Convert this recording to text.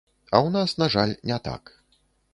А ў нас, на жаль, не так.